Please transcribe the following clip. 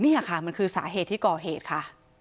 นี่ค่ะมันคือสาเหตุที่ก่อเหตุค่ะ